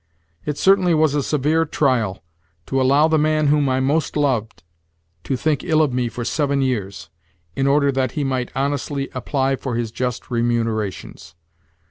It certainly was a severe trial to allow the man whom I most loved, to think ill of me for seven years, in order that he might honestly apply for his just remunerations.